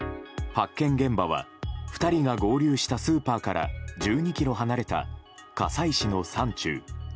発見現場は２人が合流したスーパーから１２ｋｍ離れた加西市の山中。